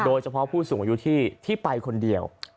โดยเฉพาะผู้สูงอายุที่ไปคนเดียว